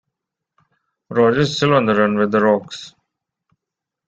Rory is still on the run with The Rogues.